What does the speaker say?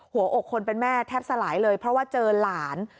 หัวอกคนเป็นแม่แทบสลายเลยเพราะว่าเจอหลาน